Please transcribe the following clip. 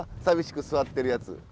寂しく座ってるやつ。